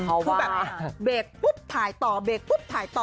คือแบบเบรกปุ๊บถ่ายต่อเบรกปุ๊บถ่ายต่อ